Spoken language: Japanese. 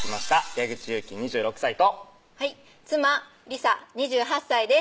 矢口祐樹２６歳とはい妻・理沙２８歳です